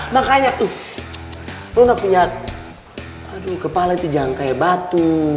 makanya nona punya kepala itu jangan kayak batu